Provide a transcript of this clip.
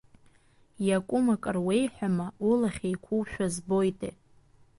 Иакәым акыр уеиҳәама, улахь еиқәушәа збоитеи?